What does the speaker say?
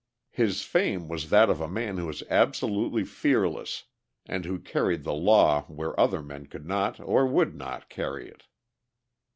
His fame was that of a man who was absolutely fearless, and who carried the law where other men could not or would not carry it.